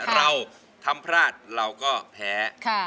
เราทำพลาดเราก็แพ้